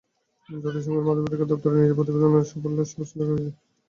জাতিসংঘের মানবাধিকার দপ্তরের নিজের প্রতিবেদনেই স্পষ্ট করে লেখা হয়েছে এই নৃশংসতার বিবরণ।